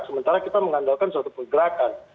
sementara kita mengandalkan suatu pergerakan